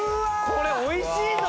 これ美味しいぞ！